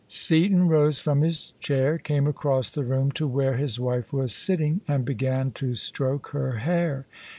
Seaton rose from his chair, came across the room to where his wife was sitting, and began to stroke her hair.